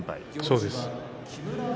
そうです。